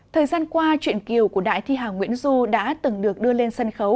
thời gian qua chuyện kiều của đại thi hà nguyễn du đã từng được đưa lên sân khấu